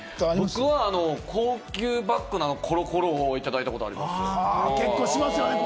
僕は高級バッグのコロコロをもらったことがありますよ。